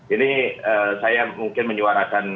ini saya mungkin menyuarakan